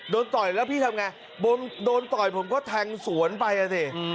ต่อยแล้วพี่ทำไงโดนต่อยผมก็แทงสวนไปอ่ะสิ